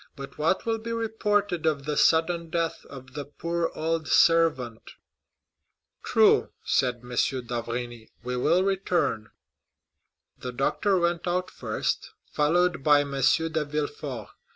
But what will be reported of the sudden death of the poor old servant?" "True," said M. d'Avrigny; "we will return." The doctor went out first, followed by M. de Villefort.